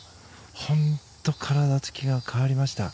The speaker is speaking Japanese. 本当に体つきが変わりました。